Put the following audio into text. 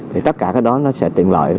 thì tất cả cái đó nó sẽ tiện lợi